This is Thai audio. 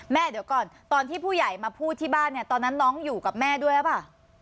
เดี๋ยวก่อนตอนที่ผู้ใหญ่มาพูดที่บ้านเนี่ยตอนนั้นน้องอยู่กับแม่ด้วยหรือเปล่า